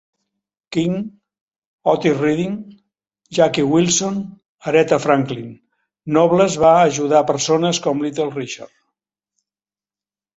King, Otis Redding, Jackie Wilson, Aretha Franklin; Nobles va ajudar persones com Little Richard.